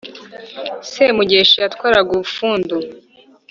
Semugeshi yatwaraga Ubufundu.